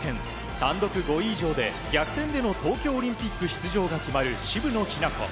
単独５位以上で逆転での東京オリンピック出場が決まる渋野日向子。